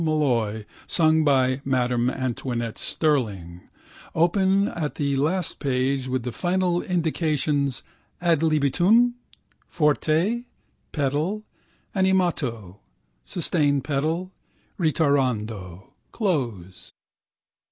Molloy, sung by Madam Antoinette Sterling) open at the last page with the final indications ad libitum, forte, pedal, animato, sustained pedal, ritirando, close.